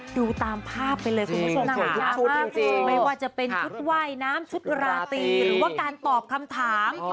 ดูตามภาพไปเลยคุณผู้ชมไม่ว่าจะเป็นชุดว่ายน้ำชุดราตรีหรือว่าการตอบคำถาม